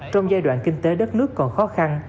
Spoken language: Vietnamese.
trong giai đoạn kinh tế đất nước còn khó khăn